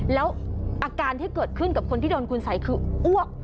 แล้วอาการที่เกิดขึ้นกับคนที่โดนคุณสัยคืออ้วก